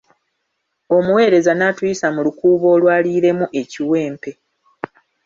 Omuweereza n'atuyisa mu lukuubo olwaliiremu ekiwempe.